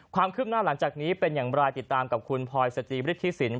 ความขึ้นหน้าหลังจากนี้เป็นอย่างรายติดตามกับคุณพรศจีรภิษศิลป์